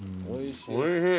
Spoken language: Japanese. おいしい。